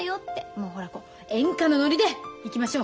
もうほらこう演歌のノリでいきましょう。